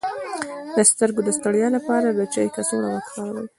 د سترګو د ستړیا لپاره د چای کڅوړه وکاروئ